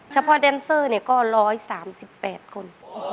เฉพาะแดนเซอร์ก็๑๓๘คน